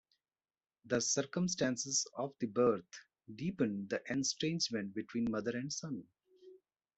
The circumstances of the birth deepened the estrangement between mother and son.